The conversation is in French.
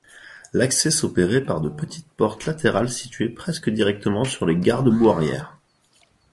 L'accès s'opérait par de petites portes latérales situées presque directement sur les garde-boue arrière.